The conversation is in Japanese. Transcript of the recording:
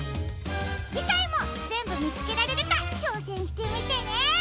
じかいもぜんぶみつけられるかちょうせんしてみてね！